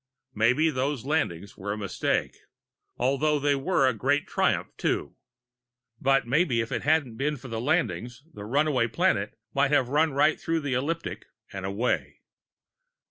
Maybe those landings were a mistake although they were a very great triumph, too; but maybe if it hadn't been for the landings, the Runaway Planet might have run right through the ecliptic and away.